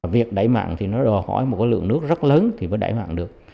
việc đẩy mặn thì nó đòi hỏi một cái lượng nước rất lớn thì mới đẩy mặn được